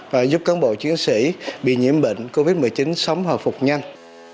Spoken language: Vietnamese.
và giúp cán bộ chiến sĩ bị nhiễm bệnh covid một mươi chín sống hợp phục nhanh